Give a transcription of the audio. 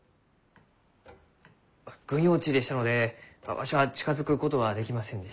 軍用地でしたのでわしは近づくことはできませんでした。